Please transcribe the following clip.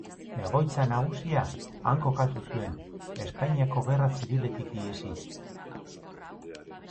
Egoitza nagusia han kokatu zuen, Espainiako Gerra Zibiletik ihesi.